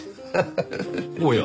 おや？